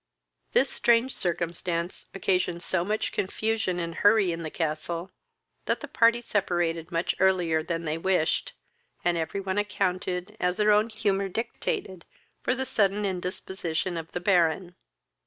This strange circumstance occasioned so much confusion and hurry in the castle, that the party separated much earlier than they wished, and every one accounted, as their own humour dictated, for the sudden indisposition of the Baron.